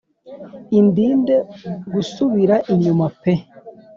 Indinde gusubira inyuma pe